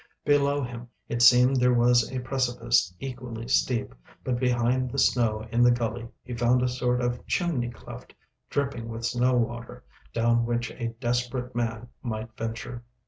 Below him it seemed there was a precipice equally steep, but behind the snow in the gully he found a sort of chimney cleft dripping with snow water, down which a desperate man might venture.